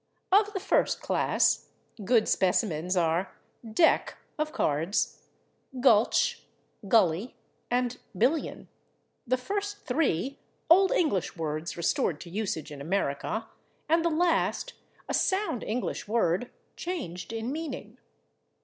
Of the first class, good specimens are /deck/ (of cards), /gulch/, /gully/ and /billion/, the first three old English words restored to usage in America and the last a sound English word changed in meaning.